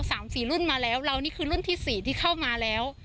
สามสี่รุ่นมาแล้วเรานี่คือรุ่นที่สี่ที่เข้ามาแล้ว